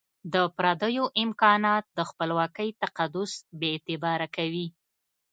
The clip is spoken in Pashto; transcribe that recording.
د پردیو امکانات د خپلواکۍ تقدس بي اعتباره کوي.